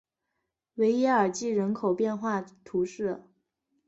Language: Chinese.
维耶尔济人口变化图示